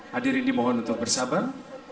hadirin dimohon untuk bersabar